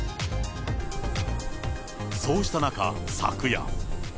そうした中、昨夜。